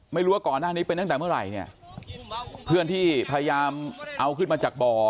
ไม่รู้ว่าก่อนหน้านี้เป็นตั้งแต่เมื่อไหร่เนี่ยเพื่อนที่พยายามเอาขึ้นมาจากบ่อ